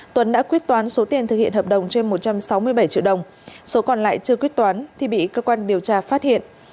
tuấn đã quyết toán số tiền thực hiện hợp đồng trên một trăm sáu mươi bảy triệu đồng số còn lại chưa quyết toán thì bị cơ quan điều tra phát hiện